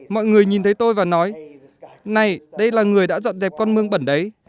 mọi người nhìn thấy tôi và nói này đây là người đã dọn dẹp con mương bẩn đấy